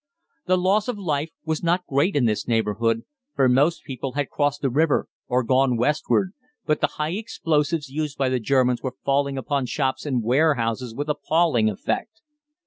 The loss of life was not great in this neighbourhood, for most people had crossed the river or gone westward, but the high explosives used by the Germans were falling upon shops and warehouses with appalling effect.